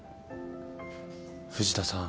藤田さん。